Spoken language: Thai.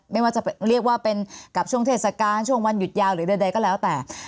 ไม่ว่าจะเรียกว่าเป็นกับช่วงเทศกาลช่วงวันหยุดยาวหรือใดก็แล้วแต่